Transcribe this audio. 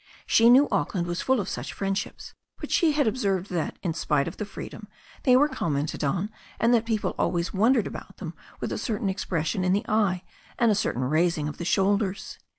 She knew Auckland was full of such friendships, but she had observed that, in spite of the freedom, they were commented on, and that people always wondered about them with a certain expression in the eye and a certain raising of the shoulders.